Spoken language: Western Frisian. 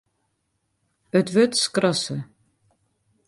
It wurd skrasse.